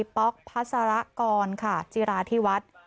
ป๊อกพัทศรากอลจิราธิวัด